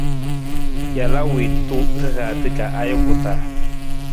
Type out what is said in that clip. Jalaa wiitu rihaata ka ajuku taa.